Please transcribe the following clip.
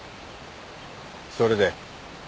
それで？